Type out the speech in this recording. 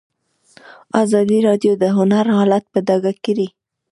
ازادي راډیو د هنر حالت په ډاګه کړی.